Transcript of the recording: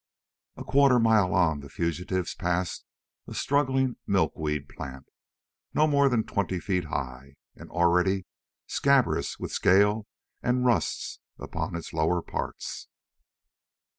A quarter mile on, the fugitives passed a struggling milkweed plant, no more than twenty feet high and already scabrous with scale and rusts upon its lower parts.